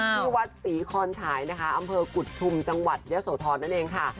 ที่วัดศรีคอนฉายนะคะอำเภอกุฎชุมจังหวัดยะโสธรนั่นเองค่ะ